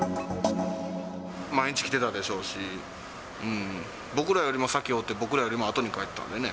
毎日来てたでしょうし、僕らよりも先おって、僕らよりもあとに帰っていた。